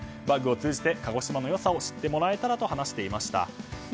バッグを通じて鹿児島の良さを知ってもらえたと話していました。